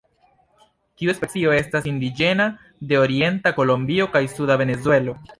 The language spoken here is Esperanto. Tiu specio estas indiĝena de orienta Kolombio kaj suda Venezuelo.